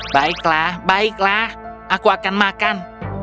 baiklah baiklah aku akan makan